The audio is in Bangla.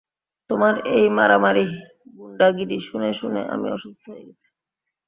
তোমার এই মারামারি গুন্ডাগিরি শুনে শুনে আমি অসুস্থ হয়ে গেছি!